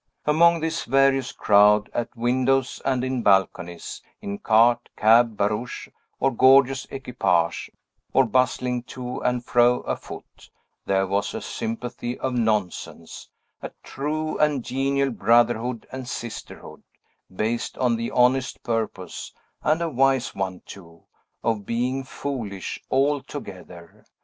Among this various crowd, at windows and in balconies, in cart, cab, barouche, or gorgeous equipage, or bustling to and fro afoot, there was a sympathy of nonsense; a true and genial brotherhood and sisterhood, based on the honest purpose and a wise one, too of being foolish, all together.